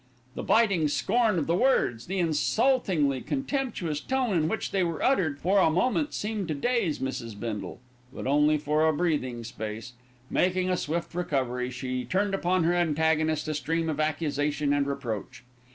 The biting scorn of the words, the insultingly contemptuous tone in which they were uttered, for a moment seemed to daze Mrs. Bindle; but only for a breathing space. Making a swift recovery, she turned upon her antagonist a stream of accusation and reproach.